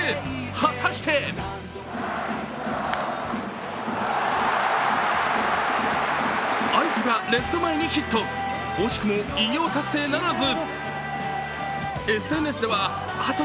果たして愛斗がレフト前にヒット惜しくも偉業達成ならず。